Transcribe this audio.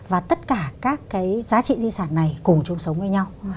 và tất cả các cái giá trị di sản này cùng chung sống với nhau